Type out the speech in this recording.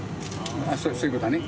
まぁそういうことだね。